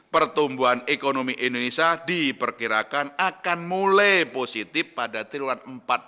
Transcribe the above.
pertumbuhan ekonomi indonesia diperkirakan akan mulai positif pada tahun dua ribu dua puluh